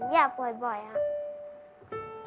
อย่าป่วยบ่อยค่ะ